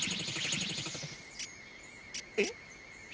えっ？